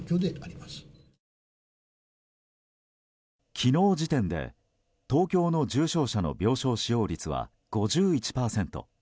昨日時点で東京の重症者の病床使用率は５１％。